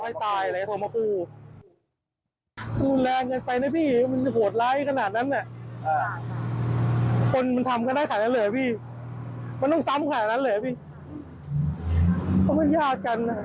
อยากให้ผู้ก่อเหน่าถูกลงโทษให้ถึงที่สุดเลยนะคะ